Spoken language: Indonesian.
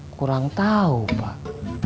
kurang tahu pak